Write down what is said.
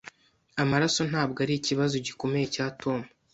Amaraso ntabwo arikibazo gikomeye cya Tom.